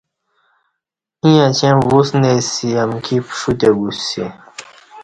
ایݩ اچیں وُسنئ سی امکی پݜتے گوسسی